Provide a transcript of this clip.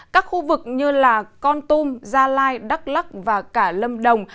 các khu vực như con tum gia lai đắk lắc và cả lâm đồng